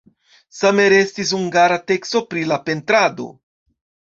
Same restis hungara teksto pri la pentrado.